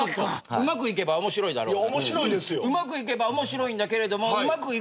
うまくいけば面白いだろうなと。